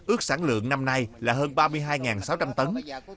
ước sản lượng năm nay là hơn ba mươi hai sáu trăm linh tấn